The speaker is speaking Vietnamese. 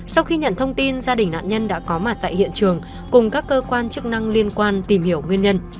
sau khi nhận thông tin gia đình nạn nhân đã có mặt tại hiện trường cùng các cơ quan chức năng liên quan tìm hiểu nguyên nhân